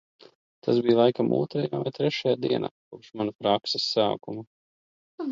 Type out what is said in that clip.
Tas bija laikam otrajā vai trešajā dienā kopš mana prakses sākuma.